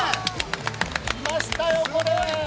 ◆来ましたよ、これ。